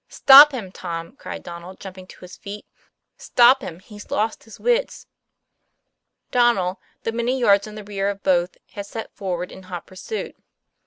"Stop him, Tom," cried Donnel, jumping to his feet, "stop him; he's lost his wits." Donnel, though many yards in the rear of both, had set forward in hot pursuit.